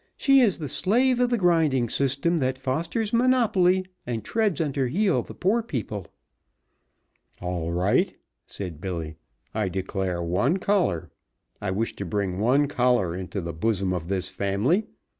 "She is the slave of the grinding system that fosters monopoly and treads under heel the poor people." "All right," said Billy, "I declare one collar. I wish to bring one collar into the bosom of this family.